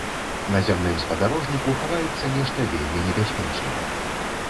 На зямным спадарожніку хаваецца нешта вельмі небяспечнае.